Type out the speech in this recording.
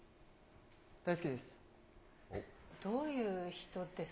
大好きです。